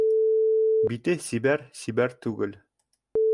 Бите сибәр сибәр түгел